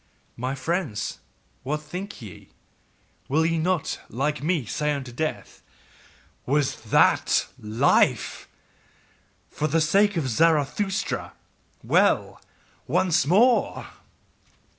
My friends, what think ye? Will ye not, like me, say unto death: 'Was THAT life? For the sake of Zarathustra, well! Once more!